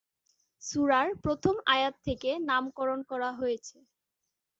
সূরার প্রথম আয়াত থেকে নামকরণ করা হয়েছে।